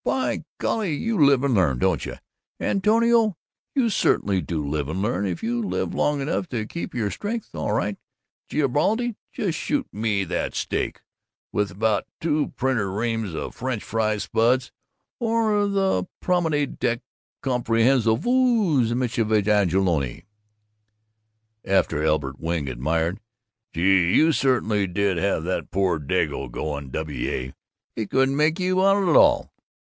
By golly, you live and learn, don't you, Antonio, you certainly do live and learn, if you live long enough and keep your strength. All right, Garibaldi, just shoot me in that steak, with about two printers' reams of French fried spuds on the promenade deck, comprehenez vous, Michelovitch Angeloni?" Afterward Elbert Wing admired, "Gee, you certainly did have that poor Dago going, W. A. He couldn't make you out at all!"